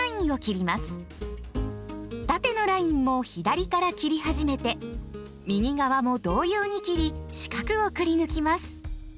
縦のラインも左から切り始めて右側も同様に切り四角をくりぬきます。